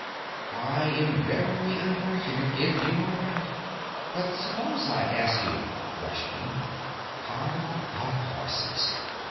I am very unfortunate if you are right. But suppose I ask you a question: How about horses?